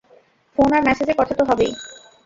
Phone আর ম্যাসেজে কথা তো হবেই।